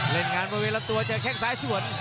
เก่งงานเวลาตั๋วตั๋วจะแค่งซ้ายส่วน